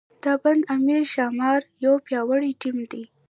د بند امیر ښاماران یو پیاوړی ټیم دی.